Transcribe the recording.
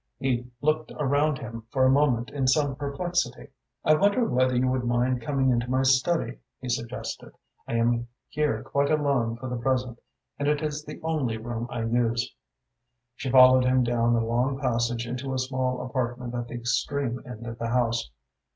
He looked around him for a moment in some perplexity. "I wonder whether you would mind coming into my study?" he suggested. "I am here quite alone for the present, and it is the only room I use." She followed him down a long passage into a small apartment at the extreme end of the house.